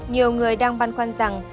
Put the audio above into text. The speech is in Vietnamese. nhiều người đang băn khoăn rằng